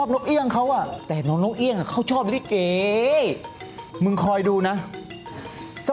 มีเต็มนี้อยู่เรื่องนี้